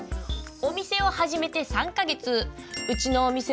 お店を始めて３か月。